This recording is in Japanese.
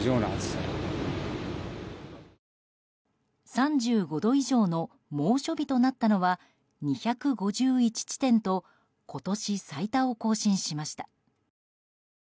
３５以上の猛暑日となったのは２５１地点と今年最多を更新しました。